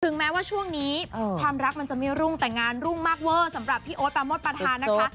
แม้ว่าช่วงนี้ความรักมันจะไม่รุ่งแต่งานรุ่งมากเวอร์สำหรับพี่โอ๊ตปาโมทประธานนะคะ